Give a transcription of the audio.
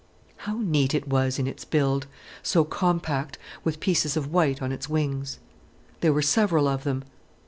How neat it was in its build, so compact, with pieces of white on its wings. There were several of them.